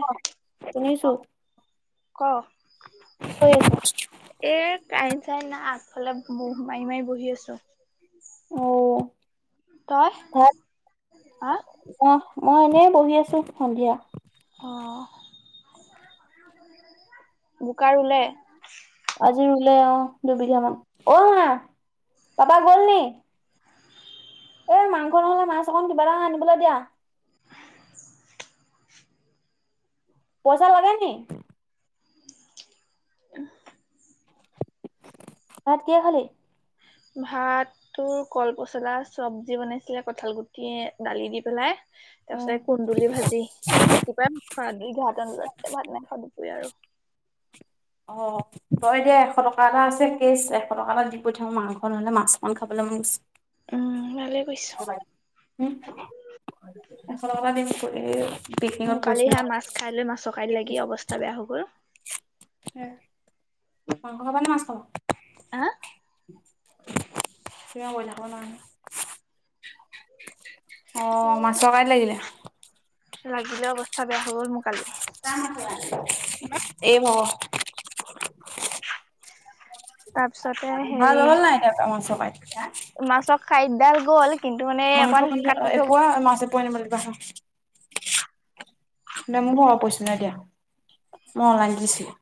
অ', অ শুনিছো। ক'? কি কৰি আছ? এ কাইন চাইন নাই, আগফালে মহ মাৰি মাৰি বহি আছো। অ তই হা? অহ, মই এনেই বহি আছোঁ সন্ধিয়া। অ', বোকা ৰুলে? আজি ৰুলে অ দুবিঘা মান অ মা পাপা গল নি? এই মাংস নহ'লে মাছ অকণ কিবা এটা আনিবলৈ দিয়া। পইচা লাগে নি? [unintelligible] ভাত কি হে খালী? ভাত তোৰ কল পচলা চবজি বনাইছিলে কঁঠাল গুটি দালি দি পেলাই তাৰ উম পিছতে কুন্দুলি ভাজি ৰাতিপুৱা দুইঘাৰটান বজাত ভাত নাই দুপৰীয়া আৰু। অ। তই এতিয়া এশ টকা এটা আছে কেজ এশ টকা এটা দি পঠ থাকও মাংস নহলে মাছখন খাবলৈ মই মন গৈছে। উম ভালে কৰিছ। [unintelligible] পৰিছিলো কালিহা ন। মাছ খাই লৈ মাছৰ খাই লাগি অৱস্থা বেয়া হৈ গ'ল। মাংস খাব নে মাছ খাব। আ? [unintelligible] অ মাছ কাইত লাগিলে? লাগিলে অৱস্থা বেয়া হ'ল মোৰ কালি। এই ভাগ তাৰপিছতে [inaudible] ভাল হ'ল নাই এতিয়া মাছৰ কাইট [unintelligible] মাছক কাঁইট ডাল গ'ল কিন্তু মানে মাংস অকমান ম কাটি থৈ এপুৱ মাছ এপুৱা আনিব দিবা হোৱা। দে মোৰ ঘৰৰ পৰিছিল নাই দিয়া মই অনলাইন দিছিলি [unintelligible]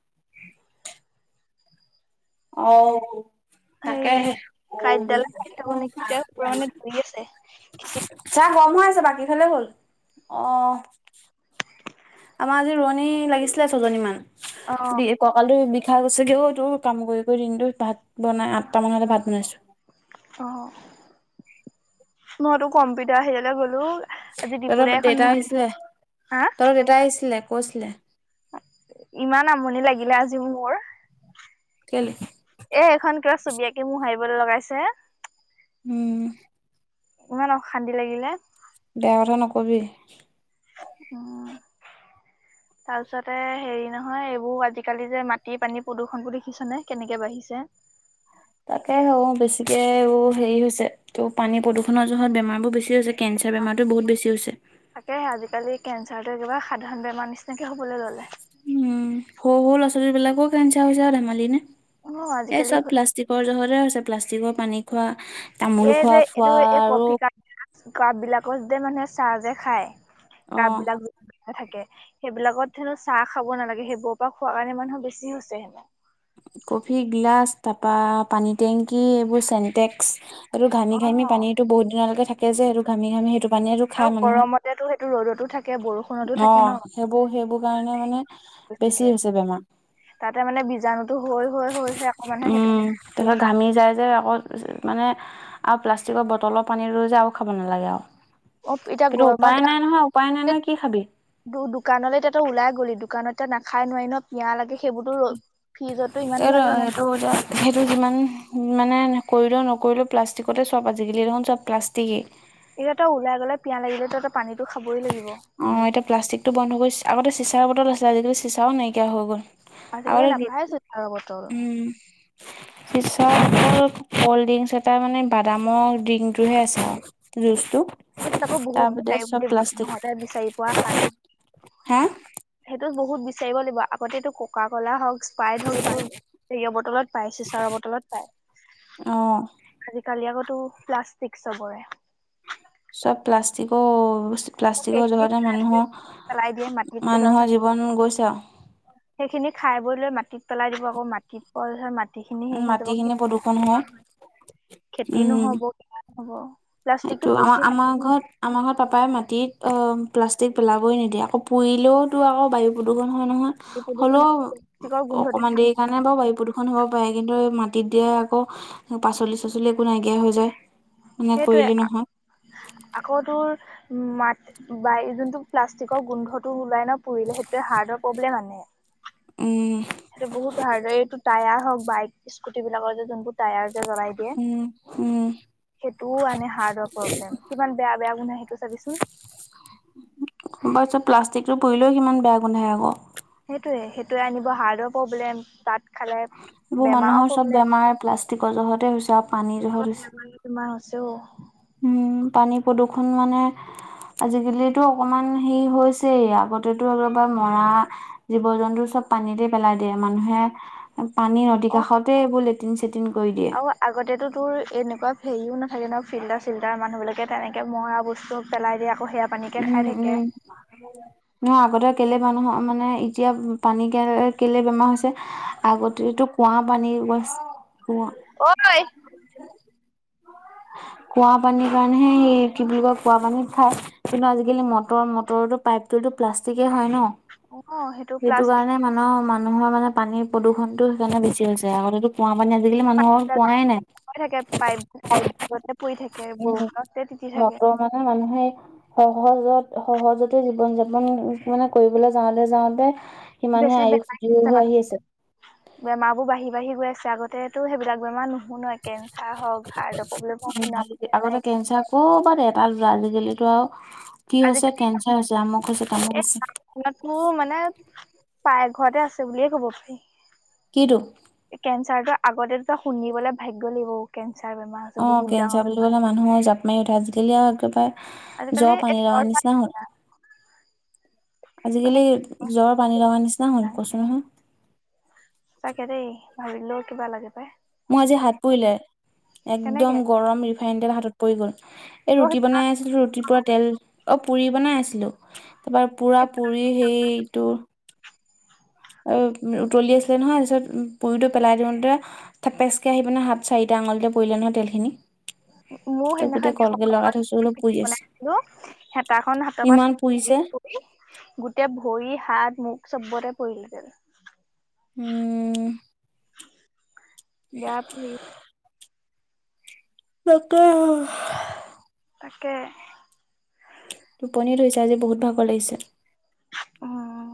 অ। হেৰি তাকে কাঁইটডালে কাটি থব নেকি এতিয়া পুৰা [unintelligible] মানে ধৰি আছে খিচিৰি। ছাহ গৰম হৈ আছে বাকী খালে গ'ল অ। আমাৰ আজি ৰোৱনী লাগিছিলে ছজনী মান, অ দি কঁকাল বিষাই গৈছে কিয় অ তোৰ কাম কৰি কৰি দিনটো ভাত বনাই আঠটামান হতে ভাত বনাইছো। অ মইতো কম্পিটাৰ সিফালে গ'লো। আজি তৰ দিপুদাই এখন দেউতাই মোহাৰি আহিছিলে হা তোৰ দেউেতাই আহিছিলে কৈছিলে। ইমান আমনি লাগিলে আজিও মোৰ। কেলে? এ সখন কিবা ছবি আঁকি মোৰ হাৰিবলৈ লগাইছে। উম। ইমান অশান্তি লাগিলে। বেয়া কথা নকবি। অ। তাৰপিছতে হেৰি নহয় এইবোৰ আজিকালি যে মাটিৰ পানী প্ৰদূষণ বুলি দেখিছনেে কেনেকে বাঢ়িছে। তাকে হ বেছিকে হেৰি হৈছে ত পানী প্ৰদূষণৰ জহত বেমাৰ বোৰ বেছি হৈছে। কেঞ্চাৰ বেমাৰটো বহুত বেছি হৈছে। তাকে আজিকালি কেঞ্চাৰ কিবা সাধাৰণ বেমাৰ নিচিনাকে হবলৈ ললে। উম সৰুৰু ল'ৰা ছোৱালী বিলাকো কেঞ্চা হৈছো ধেমালি নে? অ এই চব আজিকালি প্লা প্লাষ্টিকৰ জহতে হৈছে প্লাষ্টিকৰ পানী খোৱা তামোল এই যে খোৱা খোৱা এইটো এই আৰু কফি কাপ কাপ বিলাকো য মানে চাহ যে খায় কাপ অ', বিলাক য থাকে সেইবিলাকত হেনো চাহ খাব নালাগে সেইবোৰৰ পৰা খোৱা কাৰণে মানুহ বেছি হৈছে হেনো। কফি গিলাচ তাৰপা পানী টেংকি এইবোৰ চেণ্টেক্স। আৰু ঘামি অ ঘামি পানীতো বহুতিনলৈকে থাকে যে আৰু ঘামি ঘামি সেইটো পানী আৰু আৰু গৰমতেতো সেইটো ৰ'দতো থাকে বৰষু অ সেইবোৰ সেইবোৰ কাৰণে মানে বেছি বেছিকে হৈছে বেমাৰ। তাতে মানে বীজাণুতো হৈ হৈ হৈ হৈ আকৌ মানুহে সেইটো উম থাকে। তাৰত ঘামি যায় যে আকৌ মানে আৰু প্লাষ্টিকৰ বটলৰ পানী ৰৈ যায় আৰু খাব নালাগে আৰু। অ এতিয়া কিন্তু গৰমত উপায় নাই নহয় উপায় নাই নহয় কি খাবি? দোকানলৈ তাতো ওলাই গলি দোকানতয়া নাখাই নোৱাৰি ন। কিয় লাগে সেইবোৰো ফ্ৰিজতটো ইমান ভৰা [unintelligible] সেইটো যিমান মানে কৰিলেও নকৰিলেও প্লাষ্টিকতে চব আজিকালি দেখোন চব প্লাষ্টিকেই। এতিয়া ততে ওলাই গলাই পিয় লিলে ততে পানীটো খাবই লাগিব। অঁ এতিয়া প্লাষ্টিকটো বন্ধ হৈ আগতে চিাৰ বটল আছিল আজিকি চিচাও নাইকিয়া হৈ গ'ল। আ আজিকালি নাপাইছো চাহৰ বটল উম পিছত অ কল্ড ড্ৰিংকচ এটা মানে বাদামৰ ড্ৰিংকটোহে আছে। [unintelligible] সেইবিলাকো বহুত তাৰবাদে চব বিচাৰি প্লাষ্টিক নহতে বিচাৰি পোৱা খাৰ হা সেইটো বহুত বিচাৰিব লাগিব। আগতেটো ককা কলা হওঁক পাই ধৰক এইটো তেৰিয়ৰ বটলত পাই চিচাৰ বটলত অঁ পায়। আজিকালি আকৌ টো প্লাষ্টিক চবৰে। চব প্লাষ্টিক অ'। প্লাষ্টিকৰ সেইখিনি যোগতে খাই বৈ পেলাই দিয়ে মাটিত পেলোৱা মানুহৰ-মানুহৰ পিছত জীৱন গৈছে আৰু। সেইখিনি খাই বৈ লৈ মাটিত পেলাই দিব। আকৌ মাটিত অকল ধৰ মাটিখিনি হেৰি হৈ যাব মাটিখিনি প্ৰদূষণ খেতিতি ন হয় খেতি উম নহব। হ'ব সেইটো প্লাষ্টিকটো আমাৰ পচি [unintelligible] আমাৰ ন। ঘৰত আমাৰ ঘৰত পাপাই মাটিত প্লাষ্টিক পেলাবই নিদিয়ে। আকৌ পুৰিলেওঁ তোৰ আকৌ বায়ু প্ৰদূষণ হয় নহয়। ন প্ৰদূষণ হ'লেও, প্লাষ্টিকৰ গোন্ধতে অকমান খাই। দেৰি কাৰণে বাৰু বায়ু প্ৰ এ, হ'ব পাৰে কিন্তু এই মাটিত দিয়ে, আকৌ পাচলি চাচলি একো নাইকিয়া হৈ যায়। মানে কৰিলে নহয় সেইটোৱে আকৌ তোৰ মাত বাই যোনটো প্লাষ্টিকৰ গোন্ধটো ওলাই ন, পুৰিলে সেইটোয়ে হাৰ্টৰ প্ৰব্লেম আনে। উম। সেইটো বহুত ধাৰ্ড এইটো টায়াৰ হওক বাইক স্কুটি বিলাকৰ যে যোনবোৰ টায়াৰ যে জ্বলাই দিয়ে। উম উম সেইটোও আনে হাৰ্টৰ প্ৰব্লেম। কিমান বেয়া-বেয়া গুন্ধাই সেইটোও চাবিচোন। তাৰ পিছত প্লাষ্টিকটোুৰিলেও সিমান বেয়া গোন্ধাই আকৌ। সেইটোৱে-সেইটোৱে আনিব হাৰ্টৰ প্ৰব্লেম তাত খালে এইবোৰ মানুহৰ বেমাৰৰ চব প্ৰব্লেম। বেমাৰ প্লাষ্টিকৰ জহতে হৈছে। আৰু পানীৰ জহত হৈছে বেমাৰ তমাৰ হৈছে অ'। উম, পানী প্ৰদূষণ মানে আজিকালিতো অকমান হেৰি হৈছেই, আগতেতো একবাৰে মৰা জীৱ জন্তু চব পানীতে পেলাই দিয়ে। মানুহে পানী নদী কাষতে এইবোৰ লেটিন চেটিন কৰি দিয়ে। ত' আগতেতো তোৰ এনেকুৱা হেৰিও নাথাকে ন, ফিল্টাৰ চিল্টাৰ। মানুহবলৈকে তেনকে মৰা বস্তু পেলাই দিয়ে আকৌ সেয়া পানীকে উম খাই থাকে। উম। নহয় আগতে কেলে মানুহৰ মানে, এতিয়া পানী কাৰণে কেলে বেমাৰ হৈছে? আগতেতো কুঁৱা পানীৰ গছ ঐ কুঁৱা কুঁৱা পানীৰ কাৰণেহে সেই কি বুলি কয় কুঁৱা পানীত খাই। কিন্তু আজিকালি মটৰ-মটৰৰ পাইপটোতো প্লাষ্টিকে হয় ন'। অ সেইটো যিটো প্লাষ্টিক কাৰণে মা ৰ মানুহৰ মানে পানীৰ প্ৰদূষণতটো সেইকাৰণে বেছি হৈছে। আগতেতো কুঁৱা পানী আজিকালি মানুহৰ পাইপডাল কুঁৱাই নাই। থাকে পাইপ সনেকেতে পৰি থাকে বৰষুণতে তিতি থাকে। মতৰ মানে মানুহে সহজত-সহজতে জীৱন যাপন মানে, কৰিবলৈ যাওঁতে-যাওঁতে বেছি বেমাৰি হৈছে মানুহ। বেমাৰবোৰ বাঢ়ি বাঢ়ি গৈ আছে, আগতেতো সেইবিলাক বেমাৰ নুশুনোৱে কেঞ্চাৰ হওঁক হাৰ্টৰ প্ৰব্লেম হওঁক শুনা পোৱা যায় ক' পৰা দে এটা আজিকালিতো আৰু কি হৈছে আজিকালি কেঞ্চাৰ হৈছে আমুক হৈছে তামুক হৈছে [unintelligible] মানে পায় ঘৰতে আছে বুলিয়ে কব পাৰি। কিতো? কেঞ্চাৰটো আগতে তো শুনিবলৈ ভাগ্য লাগিব। অ' কেঞ্চাৰ বেমাৰ। হৈছে অ, ' বহুত ডাঙৰ কেঞ্চাৰ বুলি বেমাৰ ক'লে মানুহে জাপ মাৰি উঠে আজিকালি আৰু একেবাৰে আজিকালি জ্বৰ এই পানী ঘৰ লগা নিচিনা হল। মানে আজিকালি জ্বৰ পানী লগাৰ নিচিনা হল কইচো নহয় সচাকে দেই ভাবিলেও কিবা লাগে পায় মোৰ আজি হাত পোৰিলে একদম তেনেকে গৰম ৰিফাইন তেল হাতত পৰি গ'ল। এই ৰুটি ত বনাই আছিলোঁ ৰুটিৰ পৰা তেল অঁ, পুৰি বনাই আছিলোঁ। তাৰপৰা পুৰা পুৰি সেইটো অ', উতলি আছিলে নহয় তাৰপিছত পুৰিটো পেলাই দিওঁতে থেপেচকৈ আহিনে সাত চাৰিটা আঙুলিতে পৰিলে নহয় তেলখিনি মোৰ তে সেইদিনাখন গোটেই এই কলগেট লগাই সকামত থৈছো অলপ পিঠা পুৰি আছে বনাই আছিলো হেতাখন হাতৰ পৰা ইমান পৰি পুৰিছে গোটেই ভৰি হাত মুখ চবতে পৰিল যে উম। বেয়াটো তাকেহে তাকে টোপনি ধৰিছে আজি বহুত ভাগৰ লাগিছে। উম,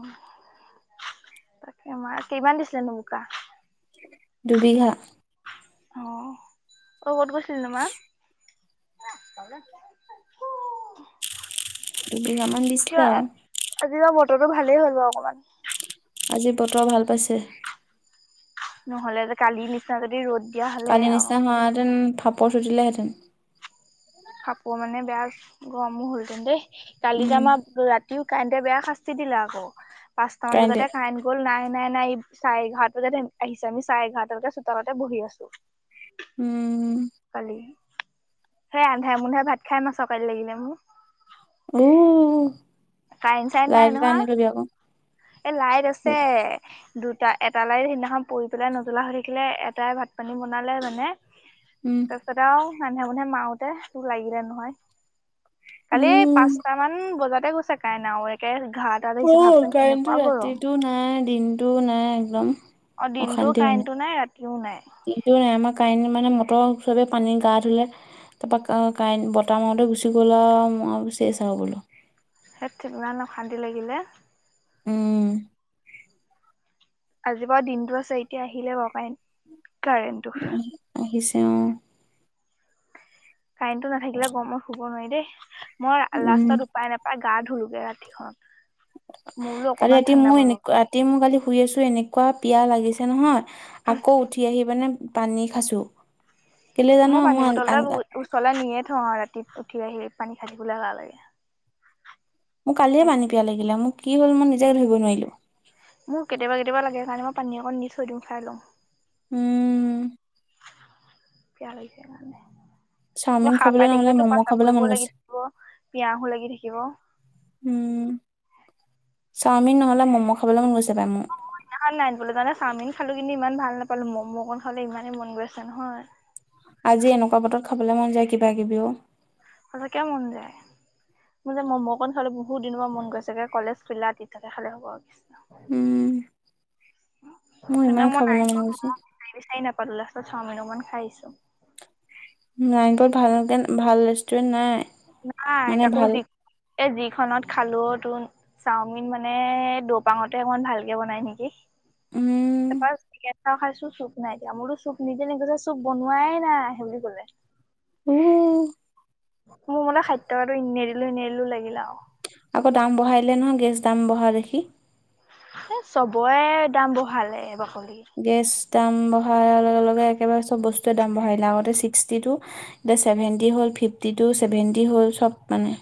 তাকে আমাৰ কেইমান দিছিলেনো বোকা দুুবিঘা অ', কত গৈছিলনো মা? [unintelligible] দুবিঘামান কিয় দিছিলে আৰু আজি বতৰটো ভালেই হ'ল অকণমান আজি বতৰ ভাল পাইছে নহলে কালিৰ নিচিনা যদি ৰ'দ দিয়া হ'লে কালি আৰু নিচিনাহেঁতেন পাপৰ সুধিলেহঁতেন খাপ মানে বেয়া গৰমো হৈছে দেই উম কালিযে আমাৰ ৰাতি কালিও কাৰেণ্টে বেয়া শাস্তি দিলে আকৌ পাঁচটা মান কাৰেণ্টে বজাতে কাৰেণ্ট গ'ল নাই নাই নাই চাৰে এঘাৰতে আহিছে আমি চাৰে এঘাৰটালৈকে চোতালতে বহি আছো। উম কালি সেই আন্ধাই মন্ধাই ভাত খাই মাছ কাঁইট লাগিলে মোক। উম, লাইট এটা আনিলবি আকৌ এ লাইট আছে। দুটা এটা লাইট সেইদিনাখন পৰি পেলাই নজ্বলা হৈ থাকিলে এটাই ভাত পানী বনালে মানে উম। তাৰপাছত আৰু মানুহে বোলে মাৰোতে তোক লাগিলে নহয় কালি উম পাঁচটা ইমান বজাতে গৈছে কাইনা আৰু একে ঘৰতে আহিছে ভাবচোন কেনেকুৱা কিন্তু গৰম ৰাতিটো নাই দিনতটো নাই একদম অ', দিনটোও অশান্তি মানে কাৰেণ্টটো নাই ৰাতিও নাই। দিনটো নাই আমাৰ কাৰেণ্ট মানে মটৰ চবে পানী গা ধুলে তাৰপৰা কাৰেণ্ট বতাহ মাৰোতে গুচি গ'ল আৰু চেই চ আৰু বোলো সেই ঠিক ইমান অশান্তি লাগিলে উম। আজিৰ বাৰু দিনটো আছে এতিয়া আহিলে বাৰু কাই কাৰেণ্টো আহিছে অ', কাৰেণ্টটো নাথাকিলে গৰমত শুব নোৱাৰি দেই মই উম লাষ্টত উপায় নেপায় গা ধোলো গে ৰাতিখন। মোৰলো অকনমান ঠাণ্ডা পৰিব। তি ময় কালি শুই আছোঁ, এনেকুৱা পিয়াঁহ লাগিছে নহয়, আকৌ- উঠি আহি মানে পানী খাইছো, কেলে জান মই আনকাল ওচৰলৈ নিয়ে থওঁ আৰু ৰাতিত উঠি আহি পানী খায় থাকিবলৈ এলাহ লাগে। মোক কালিয়ে পানী পিয়াঁ লাগিলে, মোৰ কি হ'ল মই নিজেই ধৰিব নোৱাৰিলোঁ। মোক কেতিয়াবা, কেতিয়াবা লাগে কাৰণে মই পানী অকন‌ দি থৈ দিও খাই লওঁ। উম' পিয়াঁ লাগিছে‌ মানে। চাওমিন তোৰ সাৰ খাবলৈ পাই নহ'লে থাকিলে তোৰ ম'ম' প্ৰস্ৰাৱ খাবলৈ মন কৰিবও গৈছে লাগি থাকিব পিয়াহো লাগি থাকিব। উম, চাওমিন নহ'লে‌ ম'ম' খাবলৈ মন গৈছে পায় মোৰ। নাই বুলি ক'লে চাওমিন খালোঁ, কিন্তু ইমান ভাল নাপালো, ম'ম' অকণ খাবলে ইমানেই মন গৈ আছে নহয়। আজি এনেকুৱা বতৰত খাবলে মন যায় কিবা কিবি অও। সচাকে মন যায়। মোৰ যে ম'ম' অকন খাবলে বহুত দিনৰ পৰা মন গৈছেগে কলেজ খুলিলেগে আতিথ্যতে খালে হ'ব আৰু কৃষ্ণ। উম, মই ইমান খাবলে মন গৈছে। বিছাৰি বিচাৰি নাপালোঁ, লাষ্টত চাওমিন অকমান খাই আহিছোঁ। নায়েপত ভালকে ভাল ৰেষ্টুৰেণ্ট নাই। নাই, মানে তাকো ভাল যি এ যিখনত খালো অ' তোন- চাওমিন মানে, দৌপাঙতে অকমান ভালকে বনাই নেকি? উম ত খাইছোঁ চুপ নাই দিয়া, মোৰতো চুপ নিদি নিদিলে চুপ বনোৱাই নাই সেই বুলি কলে। উমহু' মোৰ মতে ষাঠি টকাটো এনে দিলো এনে দিলো লাগিলে আৰু। আকৌ দাম বঢ়াই দিলে নহয় গেছ দাম বঢ়া দেখি। এ চবৰে দাম বঢ়ালে এ বাকলি। গেছ দাম বঢ়াৰ লগে লগে একেবাৰে চব বস্তুৱে দাম বঢ়াই দিলে, আগতে ছিক্সটিটো- এতিয়া ছেভেণ্টি হ'ল ফিফটি টু চেভেন্টি হ'ল চব মানে।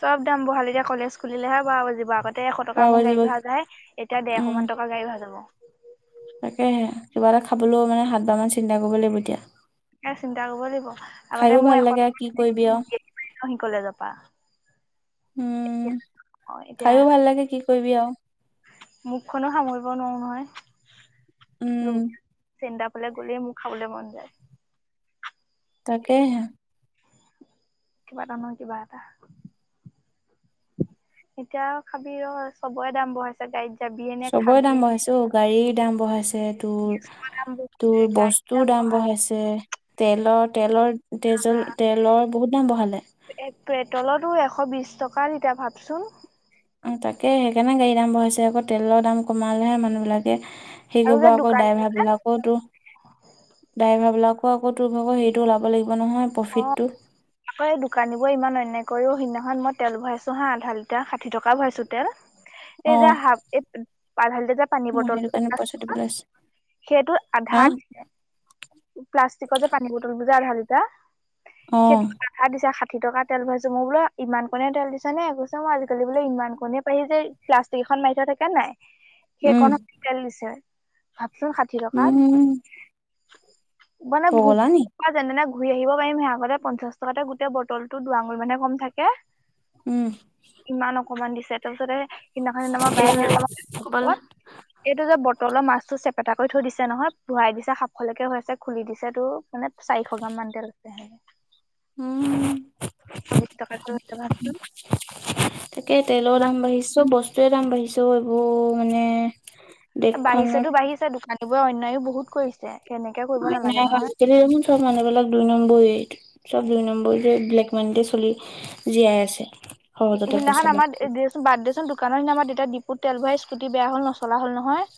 চব দাম বহালে এতিয়া কলেজ খুলিলেহে বাৰ বাজিব আগত তে এশ খোৱা টকা মোৰ বাজিব গাড়ী ভাৰা যায় এতিয়া উম দেৰশ মান টকা গাড়ী ভাৰা যাব। তাকেহে কিবা এটা খাবলৈও মানে সাত বাৰ মান চিন্তা কৰিব লাগিব এতিয়া। চিন্তা কৰিব লাগিব, খাইও আগতে ভাল লাগে আৰু কি মই এশ কৰিবি আৰু [unintelligible] কলেজৰ পৰা। এতিয়া উম। অ' এতিয়া, খাইও ভাল লাগে কি কৰিবি আৰু মুখখনো সামৰিব নোৱাৰোঁ উম নহয়। লো চেন্তা ফালে গ'লেই মোৰ খাবলে মন যায়। তাকেহে। কিবা এটা নহয়, কিবা এটা। এতিয়া খাবি ৰ চবৰে দাম বঢ়াইছ চবৰে দাম বঢ়াইছে অ' গাড়ীৰ দাম বঢ়াইছে, দাম তোৰ বঢ়াইছে তোৰ গাড়ীৰ বস্তু তোৰ দাম বঢ়ালে বঢ়াইছে, তেলৰ-তেলৰ তেজল তেলৰ বহুত দাম বঢ়ালে। [unintelligible] এশ বিশ টকা লিটাৰ ভাৱচোন? উম, তাকে সেইকাৰণে গাড়ীৰ দাম বঢ়াইছে আকৌ তেলৰ দাম কমালেহে মানুহবিলাকে সেই আৰু কৰিব যে আকৌ দোকানী ড্ৰাইভাৰ অ বিলাক আকৌ, তোৰ ড্ৰাইভাৰ বিলাকৰ আকৌ তোৰ ভাগৰ হেৰিটো ওলাব লাগিব নহয় প্ৰফিতটো। আকৌ এই দোকানী বোৰ ইমান অন্যায় কৰিও, সেইদিনাখন মই তেল ভৰাইছো হা আধা লিটাৰ ষাঠি টকাৰ ভৰাইছো তেল। এই অ যে হাপ এই আধা লিটাৰ যে পানী মই বটল সেইটো কাৰণে পইচা [unintelligible] দিবলৈ আছে সেইটো হা আধাত, প্লাষ্টিকৰ যে পানী বটলবোৰ যে আধা লিটাৰ। অ [unintelligible] [unintelligible] দিছে ষাঠি টকা তেল ভৰাইছো, মই বোলো ইমানকণে তেল দিছে নে, কৈছে মই আজিকালি বোলে ইমানকণে পাৰি যে প্লাষ্টিক এখন মাৰি থোৱা থাকেনে নাই, উম সেইকণত তেল দিছে ভাবচোন ষাঠি টকাত। উম মানে [unintelligible] পগলা নি পৰা যেনে তেনে ঘূৰি আহিব পাৰিমহে, আগতে পঞ্চাশ টকাতে গোটেই বটলটো দুআঙুলমানহে কম থাকে। উম। ইমান অকমান দিছে তাৰপিছতে সেইদিনাখন [unintelligible] দিমাৰ বায় ক'বালে তেল। এইটো যে বটলৰ মাছতটো চেপেটা কৰি থৈ দিছে নহয় ভুৰাই দিছে সাফকলকে হৈ আছে খুলি দিছে তোৰ। মানে চাৰিশ গ্ৰাম মান তেল বোলে উম। সবিষ্ট কাৰ্যোন ইমান [unintelligible] ছো বস্তু [unintelligible] কি দাম বাঢ়িছে ও এইবোৰ মানে। দেশখনত বাঢ়িছেতো বাঢ়িছে দোকানীবোৰে অন্যায়ো বহুত কৰিছে সেনেকে কৰিব নালাগে নহয়। তেতিয়া চোন চব মানুহবিলাক দুই নম্বৰী চব দুই নম্বৰী যে ব্লেক মানিতে চলি জীয়াই আছে। সহজতে সেইদিনাখন পইচা আমাৰ লগ দেচোন বাদ্দেচোন দোকানৰ সিদিনা অ দিপুত তেল ভৰাই স্কুটি বেয়া হল নচলা হ'ল নহয়।